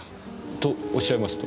とおっしゃいますと？